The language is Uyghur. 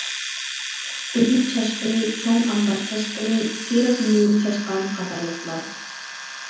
ئۆگزە چاشقىنى، چوڭ ئامبار چاشقىنى، سېرىق مۈرە چاشقان قاتارلىقلار.